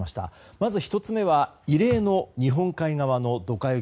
まず１つ目は異例の日本海側のドカ雪。